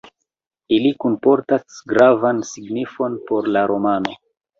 Ili kunportas gravan signifon por la romano.